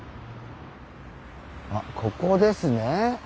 あここですね。